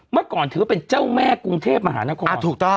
เมื่อก่อนถือว่าเป็นเจ้าแม่กรุงเทพมหานครถูกต้อง